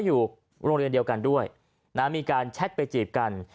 อยู่โรงเรียนเดียวกันด้วยนะมีการแชทไปจีบกัน